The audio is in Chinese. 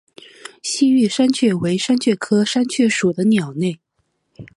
西域山雀为山雀科山雀属的鸟类。